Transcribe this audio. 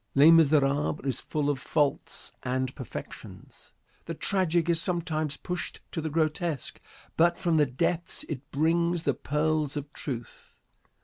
"Les Miserables" is full of faults and perfections. The tragic is sometimes pushed to the grotesque, but from the depths it brings the pearls of truth.